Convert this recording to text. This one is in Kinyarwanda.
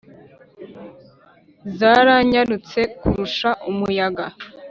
zaranyarutse kurusha umuyaga.